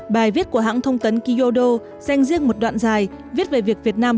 bài viết của hãng thông tấn kyodo danh riêng một đoạn dài viết về việc việt nam